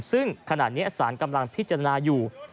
ซึ่งขณะนี้สารกำลังพิจารณาอยู่